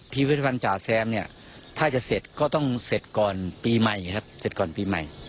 พิพิวัติภัณฑ์จาแซมถ้าจะเสร็จก็ต้องเสร็จก่อนปีใหม่